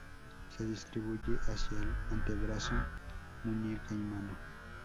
Se distribuye hacia el antebrazo, muñeca y mano.